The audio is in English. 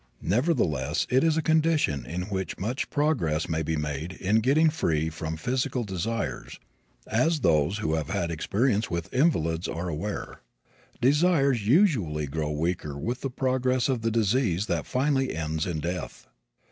Nevertheless it is a condition in which much progress may be made in getting free from physical desires, as those who have had experience with invalids are aware. Desires usually grow weaker with the progress of the disease that finally ends in death.